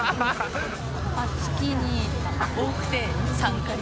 月に多くて３回。